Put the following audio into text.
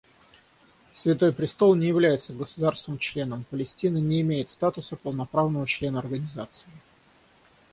Святой Престол не является государством-членом; Палестина не имеет статуса полноправного члена Организации.